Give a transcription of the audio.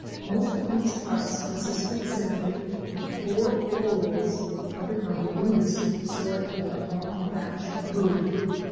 Most of these huts consisted simply of four poles covered by the rudest sort of a palm thatched roof.